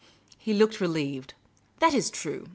He looked relieved. " That is true.